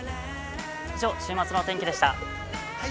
以上、週末のお天気でした。